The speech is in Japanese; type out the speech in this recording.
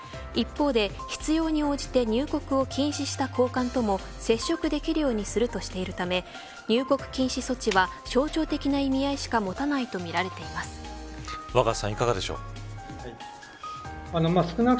一方で必要に応じて入国を禁止した高官とも接触できるようにするとしているため入国禁止措置は象徴的な意味合いしか若狭さん、いかがですか。